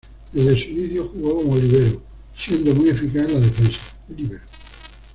Desde su inicio jugó como líbero, siendo muy eficaz en la defensa.